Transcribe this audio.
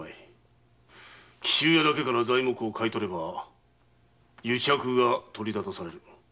紀州屋だけから材木を買い取れば癒着が取り沙汰される。